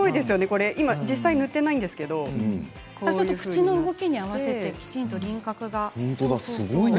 これ今、実際塗っていないんですけど口の動きに合わせてきちんと輪郭が。